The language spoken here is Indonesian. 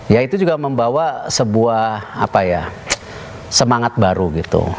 ya itu juga membawa sebuah semangat baru gitu